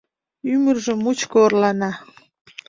Ӱмыржӧ мучко орлана.